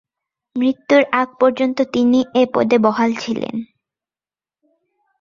মৃত্যুর আগ পর্যন্ত তিনি এ পদে বহাল ছিলেন।